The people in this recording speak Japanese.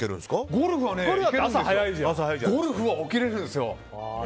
ゴルフは起きれるんすよ。